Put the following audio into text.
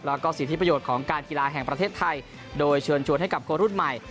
แล้วก็สิทธิประโยชน์ของการกีฬาแห่งประเทศไทยโดยเชิญชวนให้กับคนรุ่นใหม่